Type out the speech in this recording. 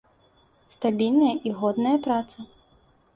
Стабільная і годная праца.